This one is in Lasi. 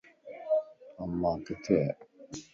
امان ڪٿيءَ؟